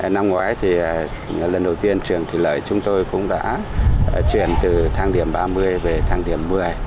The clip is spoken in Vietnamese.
năm ngoái thì lần đầu tiên trường thủy lợi chúng tôi cũng đã chuyển từ thang điểm ba mươi về thang điểm một mươi